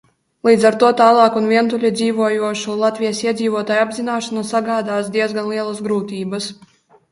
Līdz ar to tālāk un vientuļi dzīvojošu Latvijas iedzīvotāju apzināšana sagādās diezgan lielas grūtības.